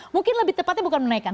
mungkin lebih tepatnya bukan menaikkan